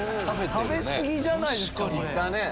食べ過ぎじゃないですか。